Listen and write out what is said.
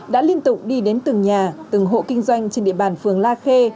đã liên tục đi đến từng nhà từng hộ kinh doanh trên địa bàn phường la khê